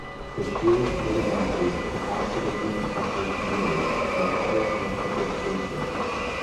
The shield minimizes capacitively coupled noise from other electrical sources.